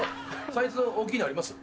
サイズ大きいのあります？